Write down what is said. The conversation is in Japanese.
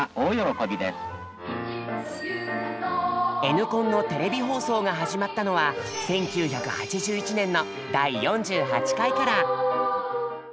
「Ｎコン」のテレビ放送が始まったのは１９８１年の第４８回から。